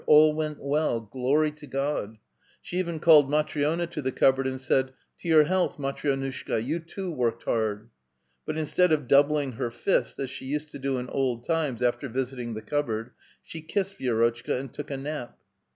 all went well, glory to God !" She even called Matri6na to the cupboard, and said :— ''To your health, Matri6nushka, you too worked hard!" But instead of doubling her fist as she used to do in old times, after visiting the cupboard, she kissed Vi^rotchka and took a nap.